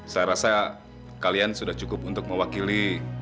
saya rasa kalian sudah cukup untuk mewakili